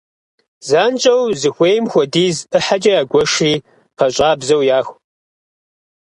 Занщӏэу зыхуейм хуэдиз ӏыхьэкӏэ ягуэшри пӏащӏабзэу яху.